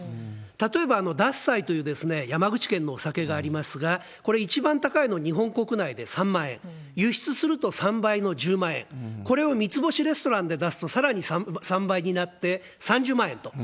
例えば、獺祭という山口県のお酒がありますが、これ、一番高いの、日本国内で３万円、輸出すると３倍の１０万円、これを３つ星レストランで出すと、さらに３倍になって、３０万円と。